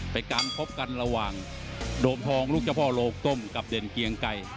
เป็นการพบกันระหว่างโดมทองลูกเจ้าพ่อโลกต้มกับเด่นเกียงไก่